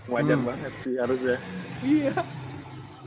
wajar banget sih harusnya